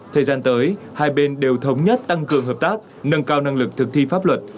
thời gian tới hai bên đều thống nhất tăng cường hợp tác nâng cao năng lực thực thi pháp luật